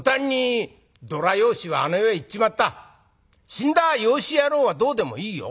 死んだ養子野郎はどうでもいいよ。